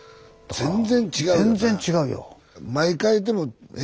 全然違うよ。